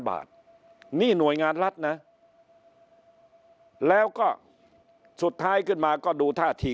บาทนี่หน่วยงานรัฐนะแล้วก็สุดท้ายขึ้นมาก็ดูท่าที